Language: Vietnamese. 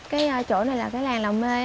cái chỗ này là cái làng là mê